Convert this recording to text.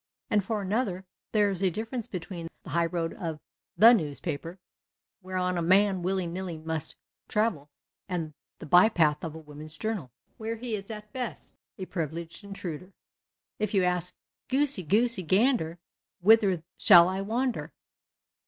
And, for • another, there is a difference between the highroad of the newspaper, whereon a man willy nilly must travel, and the by path of the women's journal, where he is at best a privileged intruder. If you ask, " Goosey, goosey, gander, whither sluiil I wander